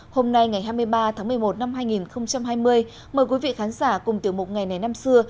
hôm nay ngày hai mươi ba tháng một mươi một năm hai nghìn hai mươi mời quý vị khán giả cùng tiểu mục ngày này năm xưa